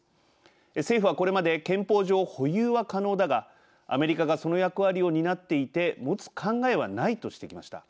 政府はこれまで「憲法上保有は可能だがアメリカがその役割を担っていて持つ考えはない」としてきました。